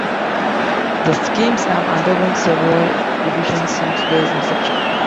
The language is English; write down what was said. The schemes have undergone several revisions since their inception.